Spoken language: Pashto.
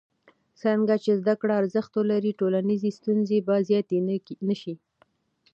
څرنګه چې زده کړه ارزښت ولري، ټولنیزې ستونزې به زیاتې نه شي.